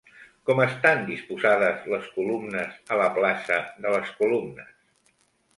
Com estan disposades les columnes a la plaça de les Columnes?